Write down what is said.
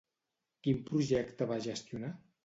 Quin projecte va gestionar?